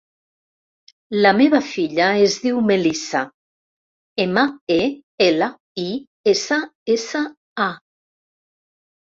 La meva filla es diu Melissa: ema, e, ela, i, essa, essa, a.